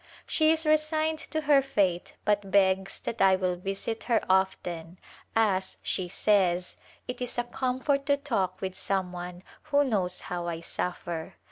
She is resigned to her fate but begs that I will visit her often, " as," she says, " it is a comfort to talk with some one who knows how I suffer."